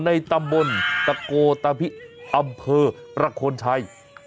ในตับบนนกักโกตะพิปุกติจที่เอาเถอะ